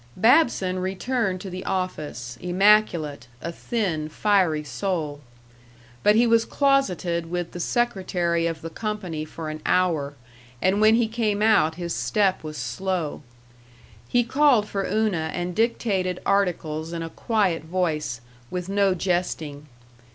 Babson returned to the office, immaculate, a thin, fiery soul. But he was closeted with the secretary of the company for an hour, and when he came out his step was slow. He called for Una and dictated articles in a quiet voice, with no jesting.